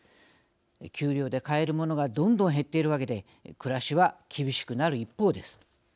給料で買えるものがどんどん減っているわけで暮らしは厳しくなる一方です。